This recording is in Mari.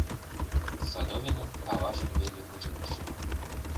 Садовинын аважым веле учырыш.